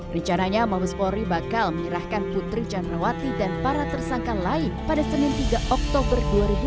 rencananya mabes polri bakal menyerahkan putri candrawati dan para tersangka lain pada senin tiga oktober dua ribu dua puluh